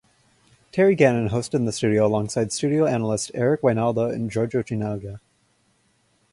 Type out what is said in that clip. Terry Gannon hosted in the studio alongside studio analysts Eric Wynalda and Giorgio Chinaglia.